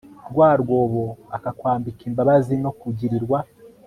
rwa rwobo akakwambika imbabazi no kugirirwa